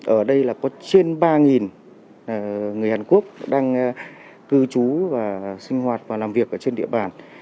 ở đây là có trên ba người hàn quốc đang cư trú và sinh hoạt và làm việc ở trên địa bàn